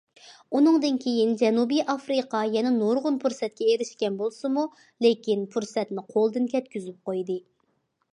ئۇنىڭدىن كېيىن جەنۇبىي ئافرىقا يەنە نۇرغۇن پۇرسەتكە ئېرىشكەن بولسىمۇ، لېكىن پۇرسەتنى قولدىن كەتكۈزۈپ قويدى.